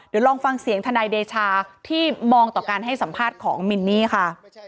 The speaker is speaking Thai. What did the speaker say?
เดี๋ยวลองฟังเสียงทนายเดชาที่มองต่อการให้สัมภาษณ์ของมินนี่ค่ะ